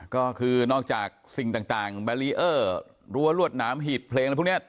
ก็คือนอกจากสิ่งต่างต่างแบรีเออร์รวดน้ำหิดเพลงและพวกเนี้ย